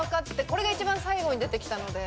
これが一番最後に出てきたので。